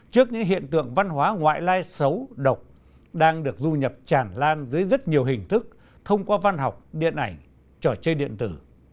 trước những hiện tượng văn hóa ngoại lai xấu độc đang được du nhập tràn lan dưới rất nhiều hình thức thông qua văn học điện ảnh trò chơi điện tử